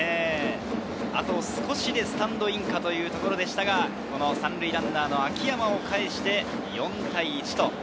あと少しでスタンドインかというところでしたが、３塁ランナー・秋山をかえして４対１。